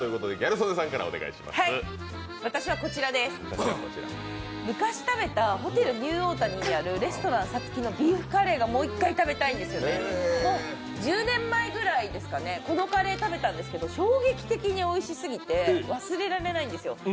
私はこちらです、昔食べたホテルニューオータニにあるレストランＳＡＴＳＵＫＩのビーフカレーがもう一回食べたいんですよね、１０年前ぐらいですかね、このカレー食べたんですけど衝撃的においしすぎて忘れられないんですよ。